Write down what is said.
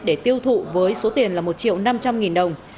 để tiêu thụ với số tiền là một triệu năm trăm linh nghìn đồng